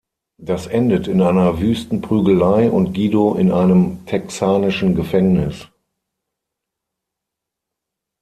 Das endet in einer wüsten Prügelei und Guido in einem texanischen Gefängnis.